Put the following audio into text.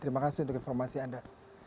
terima kasih untuk informasi anda